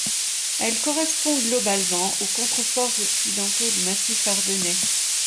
Elle correspond globalement aux contreforts occidentaux du massif ardennais.